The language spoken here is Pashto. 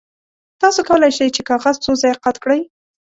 تاسو کولی شئ چې کاغذ څو ځایه قات کړئ.